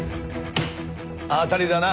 当たりだな。